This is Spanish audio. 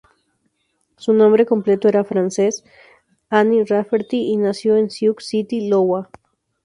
Su nombre completo era Frances Anne Rafferty, y nació en Sioux City, Iowa.